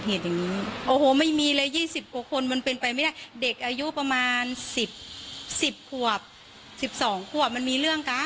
เด็กอายุประมาณ๑๐กว่า๑๒กว่ามันมีเรื่องกัน